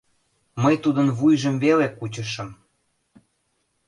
— Мый тудын вуйжым веле кучышым...